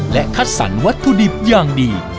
และคัดสรรวัตถุดิบอย่างดี